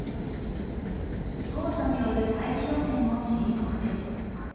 黄砂による大気汚染も深刻です。